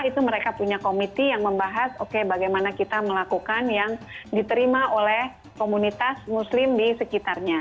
itu mereka punya komiti yang membahas oke bagaimana kita melakukan yang diterima oleh komunitas muslim di sekitarnya